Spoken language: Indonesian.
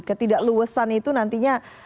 ketidakluasan itu nantinya